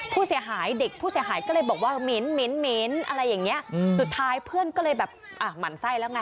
ผู้เสียหายเด็กผู้เสียหายก็เลยบอกว่าเหม็นเหม็นอะไรอย่างเงี้ยสุดท้ายเพื่อนก็เลยแบบอ่ะหมั่นไส้แล้วไง